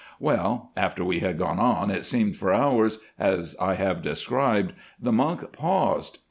"Well, after we had gone on it seemed for hours, as I have described, the monk paused.